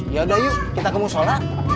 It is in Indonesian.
yaudah yuk kita ke musola